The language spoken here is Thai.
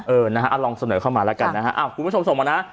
เออนะฮะลองเสนอเข้ามาแล้วกันนะฮะคุณผู้ชมส่งมานะ